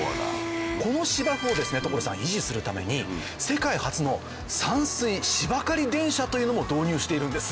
この芝生を所さん維持するために世界初の「散水・芝刈り電車」というのも導入しているんです。